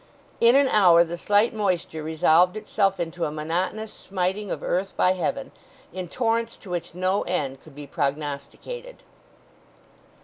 In an hour the slight moisture resolved itself into a monotonous smiting of earth by heaven, in torrents to which no end could be prognosticated.